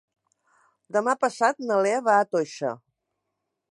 Demà passat na Lea va a Toixa.